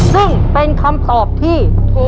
ซึ่งเป็นคำตอบที่